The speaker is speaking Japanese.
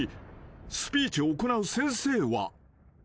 ［スピーチを行う先生は］